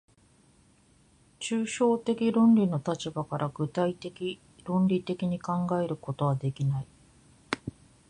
抽象的論理の立場から具体的論理的に考えることはできない。